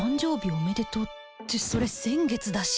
おめでとうってそれ先月だし